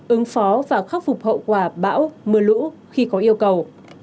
ứng phó và khắc phục hậu quả bão mưa lũ khi có yêu cầu